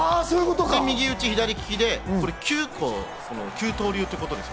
で、右打ち、左打ちで９刀流ということです。